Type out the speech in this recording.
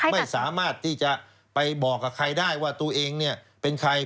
ไม่สามารถที่จะไปบอกกับใครได้ว่าตัวเองเป็นใคร